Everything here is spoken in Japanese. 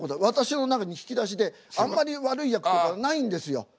私の中の引き出しであんまり悪い役とかないんですよ。